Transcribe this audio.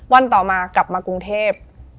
วันต่อมากลับมากรุงเทพ